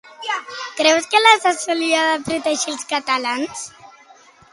Creuen que Sassoli ha de protegir els catalans?